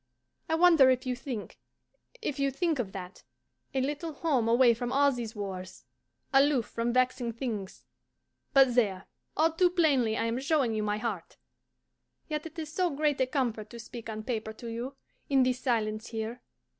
I wonder if you think if you think of that: a little home away from all these wars, aloof from vexing things. But there! all too plainly I am showing you my heart. Yet it is so great a comfort to speak on paper to you, in this silence here.